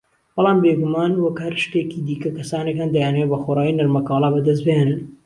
بەڵام بیگومان وەک هەر شتێکی دیکە، کەسانێک هەن دەیانەوێ بەخۆڕایی نەرمەکاڵا بەدەست بهێنن